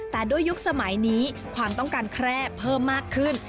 แต่ด้วยยุคสมัยนี้ความต้องการแคร่เพิ่มมากขึ้น